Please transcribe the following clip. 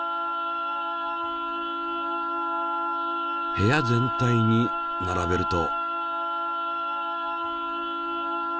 部屋全体に並べると。